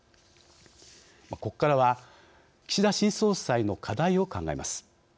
ここからは、岸田新総裁の課題を考えます。